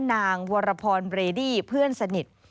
นางวรพรเบรดี้เพื่อนสนิท